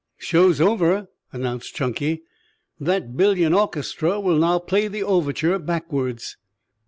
"Show's over," announced Chunky. "That billion orchestra will now play the overture backwards."